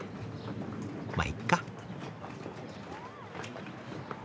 まいっか。